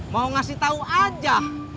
mau ngasih tau aja